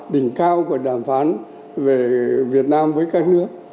chưa bao giờ có một cuộc đàm phán về việt nam với các nước